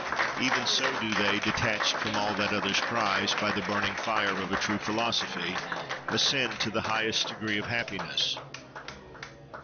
Even so do they, detached from all that others prize, by the burning fire of a true philosophy, ascend to the highest degree of happiness.